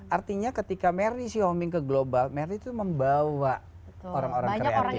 artinya ketika merdi sih homing ke global merdi tuh membawa orang orang kreatif